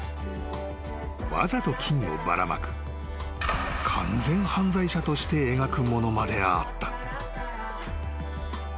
［わざと菌をばらまく完全犯罪者として描くものまであった］